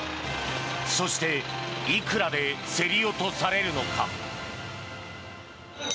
そしていくらで競り落とされるのか。